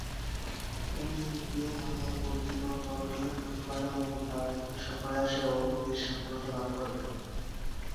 MCC নামে পরিচিত দলটি প্রথমবারের মতো ভারত সফরে আসে ও বেশ সফলতা লাভ করে।